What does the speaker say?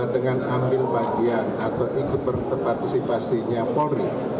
dengan ambil bagian atau ikut berpartisipasinya polri